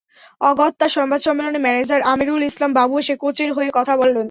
অগত্যা সংবাদ সম্মেলনে ম্যানেজার আমিরুল ইসলাম বাবু এসে কোচের হয়ে কথা বললেন।